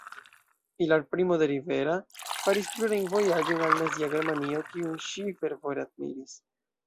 Pilar Primo de Rivera faris plurajn vojaĝojn al Nazia Germanio, kiun ŝi fervore admiris.